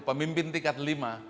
pemimpin tingkat lima